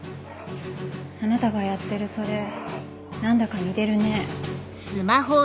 あなたがやってるそれ何だか似てるね。